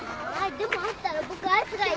でもあったら僕アイスがいい。